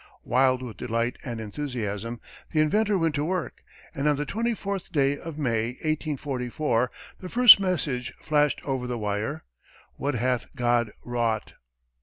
Wild with delight and enthusiasm, the inventor went to work, and on the twenty fourth day of May, 1844, the first message flashed over the wire, "What hath God wrought!"